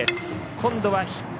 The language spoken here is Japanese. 今度はヒット。